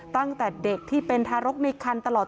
ตั้งแต่เด็กที่เป็นทารกในคันตลอด